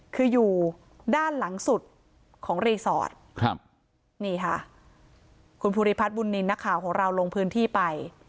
คืออยู่ด้านหลังสุดของรีสอร์ทครับนี่ค่ะคุณภูริพัฒน์บุญนินทร์นักข่าวของเราลงพื้นที่ไป